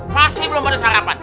pasti belum pada sarapan